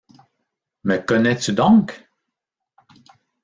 Me connais-tu donc?